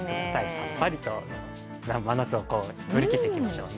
さっぱりと真夏を乗り切っていきましょう。